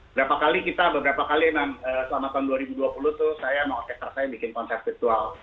berapa kali kita beberapa kali selama tahun dua ribu dua puluh tuh saya mau oke saya bikin konser virtual